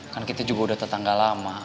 kan kita juga udah tetangga lama